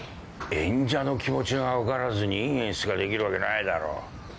演者の気持ちが分からずにいい演出ができるわけないだろう。